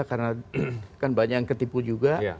karena kan banyak yang ketipu juga